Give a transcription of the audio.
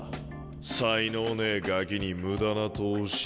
才能ねえガキに無駄な投資。